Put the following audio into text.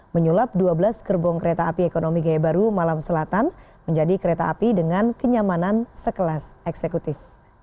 menyulap dua belas gerbong kereta api ekonomi gaya baru malam selatan menjadi kereta api dengan kenyamanan sekelas eksekutif